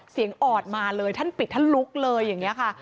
ออดมาเลยท่านปิดท่านลุกเลยอย่างนี้ค่ะ